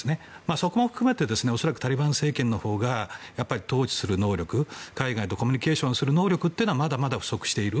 そこも含めて恐らくタリバン政権のほうが統治する能力、海外とコミュニケーションする能力がまだまだ不足している。